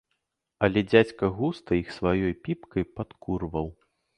Але дзядзька густа іх сваёй піпкай падкурваў.